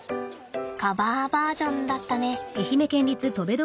カバーバージョンだったね。